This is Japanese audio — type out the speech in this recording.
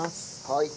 はい。